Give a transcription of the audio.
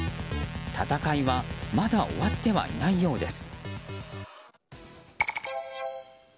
戦いはまだ終わってはいないようです。